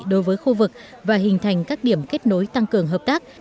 đối với khu vực và hình thành các điểm kết nối tăng cường hợp tác